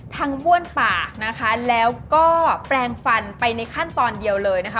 บ้วนปากนะคะแล้วก็แปลงฟันไปในขั้นตอนเดียวเลยนะคะ